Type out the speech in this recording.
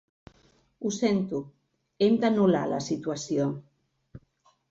Ho sento, hem d'anul·lar la situació.